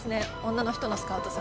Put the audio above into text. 女の人のスカウトさん。